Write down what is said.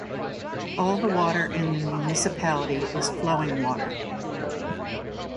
All the water in the municipality is flowing water.